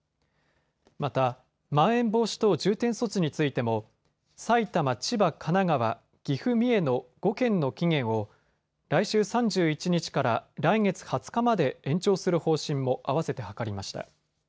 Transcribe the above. また、まん延防止等重点措置についても埼玉、千葉、神奈川、岐阜、三重の５県の期限を来週３１日から来月２０日まで延長する方針もあわせて諮りました。